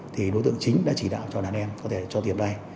thì đối tượng chính đã chỉ đạo cho đàn em có thể cho tiền vay